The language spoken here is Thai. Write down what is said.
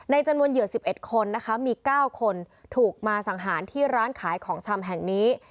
จำนวนเหยื่อ๑๑คนนะคะมี๙คนถูกมาสังหารที่ร้านขายของชำแห่งนี้